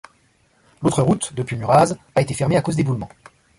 L'autre route, depuis Muraz, a été fermée à cause d'éboulements.